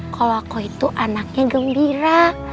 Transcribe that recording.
kalau aku itu anaknya gembira